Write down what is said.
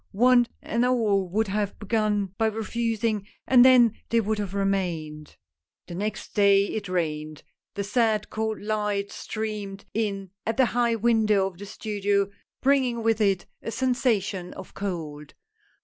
One and all would have begun by refusing, and then they would have remained. The next day it rained — the sad cold light streamed in at the liigh window of the studio, bringing with it a 152 A NEW ASPIRANT. sensation of cold.